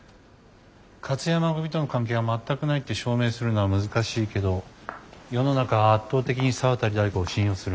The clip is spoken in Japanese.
勝山組との関係は全くないって証明するのは難しいけど世の中は圧倒的に沢渡大吾を信用するわね。